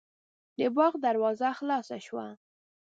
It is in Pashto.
د باغ دروازه خلاصه شوه.